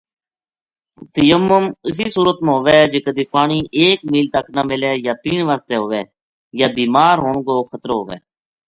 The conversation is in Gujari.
تیمم اسی صورت ما ہووے جے کدے پانی ایک میل تک نہ ملے یا پین وسطے ہووے یا بیمار ہون کو خطرو ہووے